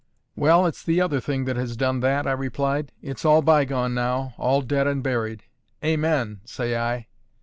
"Well, it's the other thing that has done that," I replied. "It's all bygone now, all dead and buried. Amen! say I."